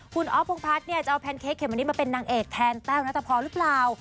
คุณอ๊อภพงภัทรจะเอาแพนเค้กเข็มวันนี้มาเป็นนางเอกแทนแต้วนะแต่พอหรือเปล่า